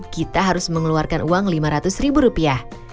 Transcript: kita harus mengeluarkan uang lima ratus ribu rupiah